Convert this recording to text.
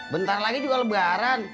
bentar lagi juga lebaran